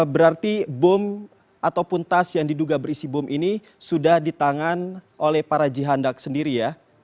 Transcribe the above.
berarti bom ataupun tas yang diduga berisi bom ini sudah ditangan oleh para jihandak sendiri ya